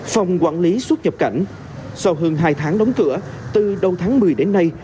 phòng quản lý xuất nhập cảnh sau hơn hai tháng đóng cửa từ đầu tháng một mươi đến nay